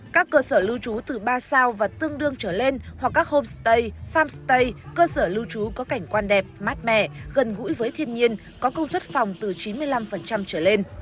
các cơ sở lưu trú từ ba sao và tương đương trở lên hoặc các homestay farmstay cơ sở lưu trú có cảnh quan đẹp mát mẻ gần gũi với thiên nhiên có công suất phòng từ chín mươi năm trở lên